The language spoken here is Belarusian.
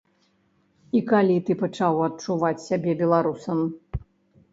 І калі ты пачаў адчуваць сябе беларусам?